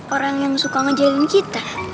orang yang suka ngejalin kita